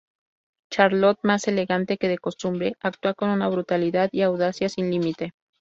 Charlot, más elegante que de costumbre, actúa con una brutalidad y audacia sin límites.